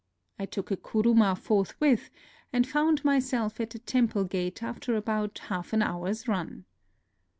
I took a kuruma forthwith, and found myself at the temple gate after about half an hour's run.